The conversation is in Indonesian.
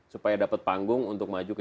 supaya dapat panggung untuk maju ke